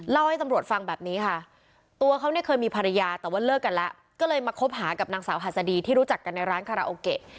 เล่าให้ตำรวจฟังแบบนี้ค่ะตัวเขาเนี่ยเคยมีภรรยาแต่ว่าเลิกกันแล้วก็เลยมาคบหากับนางสาวหัสดีที่รู้จักกันในร้านคาราโอเกะ